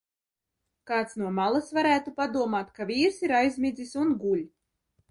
Kāds no malas varētu padomāt, ka vīrs ir aizmidzis un guļ.